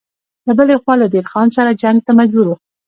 له بلې خوا له دیر خان سره جنګ ته مجبور و.